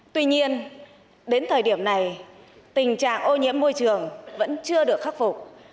tuy nhiên đến thời điểm này tình trạng ô nhiễm môi trường vẫn chưa được khắc phục